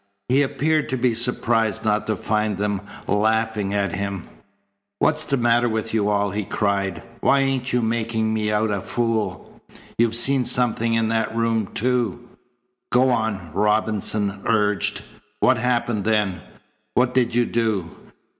He appeared to be surprised not to find them laughing at him. "What's the matter with you all?" he cried. "Why ain't you making me out a fool? You seen something in that room, too?" "Go on," Robinson urged. "What happened then? What did you do?"